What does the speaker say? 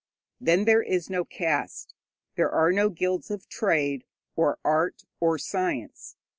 Then there is no caste; there are no guilds of trade, or art, or science.